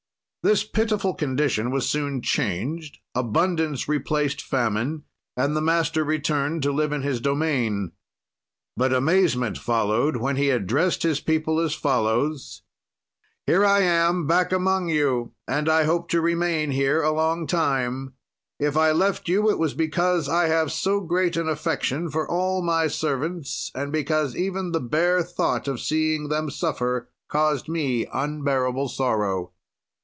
"This pitiful condition was soon changed, abundance replaced famine, and the master returned to live in his domain. "But amazement followed when he addrest his people as follows: Here I am, back among you, and I hope to remain here a long time; if I left you, it was because I have so great an affection for all my servants and because even the bare thought of seeing them suffer caused me unbearable sorrow.